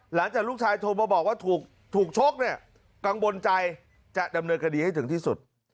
หลังจากลูกชายโทรมาบอกว่าถูกชกเนี่ยกังวลใจจะดำเนินคดีให้ถึงที่สุด